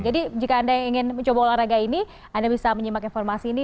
jika anda ingin mencoba olahraga ini anda bisa menyimak informasi ini